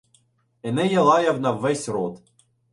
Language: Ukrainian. Енея лаяв на ввесь рот: